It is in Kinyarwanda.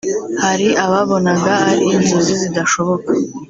hari ababonaga ari inzozi zidashoboka